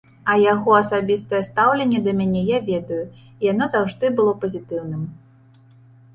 А яго асабістае стаўленне да мяне я ведаю і яно заўжды было пазітыўным.